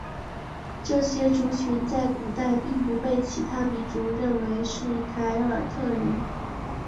这些族群在古代并不被其他民族认为是凯尔特人。